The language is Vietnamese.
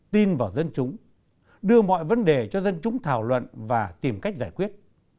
tin vào dân chúng đưa mọi vấn đề cho dân chúng thảo luận và tìm cách giải quyết